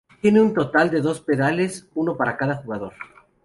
Tiene un total de dos pedales, uno para cada jugador.